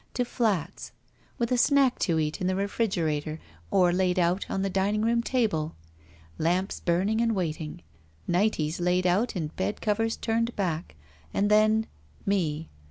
To flats. With a snack to eat in the refrigerator or laid out on the dining room table. Lamps burning and waiting. Nighties laid out and bedcovers turned back. And then — me.